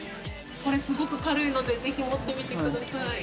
◆これ、すごく軽いのでぜひ持ってみてください。